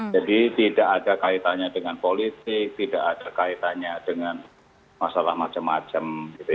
jadi tidak ada kaitannya dengan politik tidak ada kaitannya dengan masalah macam macam